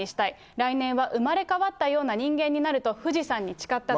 来年は生まれ変わったような人間になると、富士山に誓ったと。